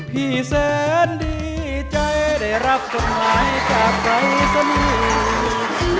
พี่แสนดีใจได้รับคนหลายกับใครสมีย